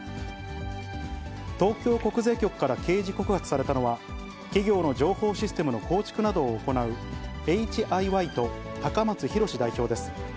東京国税局から刑事告発されたのは、企業の情報システムの構築などを行うエイチ・アイ・ワイと高松洋代表です。